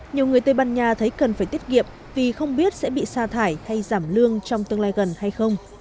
nhiều người tây ban nha thấy cần phải tiết kiệm vì không biết sẽ bị sa thải hay giảm lương trong tương lai gần hay không